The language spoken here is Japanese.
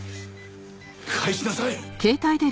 返しなさい。